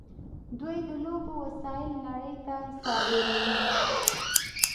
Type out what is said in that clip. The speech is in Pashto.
دوی د لوبو وسایل نړۍ ته صادروي.